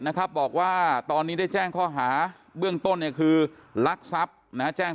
นะครับบอกว่าตอนนี้ได้แจ้งข้อหาเบื้องต้นคือลักษัพแจ้ง